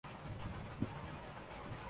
بہم ہوئے تو پڑی ہیں جدائیاں کیا کیا